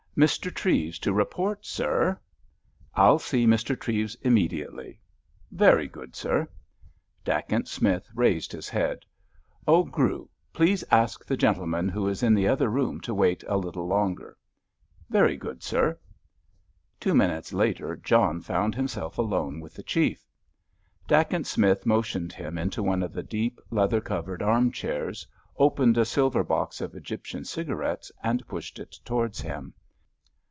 "Mr. Treves to report, sir." "I'll see Mr. Treves immediately." "Very good, sir." Dacent Smith raised his head. "Oh, Grew, please ask the gentleman who is in the other room to wait a little longer." "Very good, sir." Two minutes later John found himself alone with the chief. Dacent Smith motioned him into one of the deep, leathered covered arm chairs, opened a silver box of Egyptian cigarettes, and pushed it towards him.